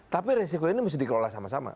tapi risiko ini bisa dikelola sama sama